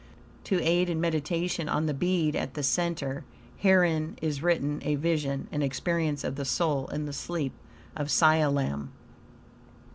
To aid in meditation on the bead at the center, herein is written a vision, an experience of the soul in the Sleep of Sialam.